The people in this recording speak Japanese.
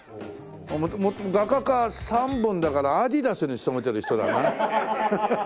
画家か３本だからアディダスに勤めてる人だな。